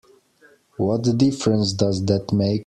What difference does that make?